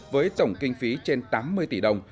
với tổng kinh phí trên tám mươi tỷ đồng